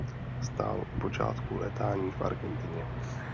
Stál u počátků létání v Argentině.